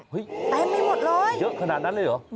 เห้ยแต่ไม่หมดเลยเยอะขนาดนั้นเลยหรอ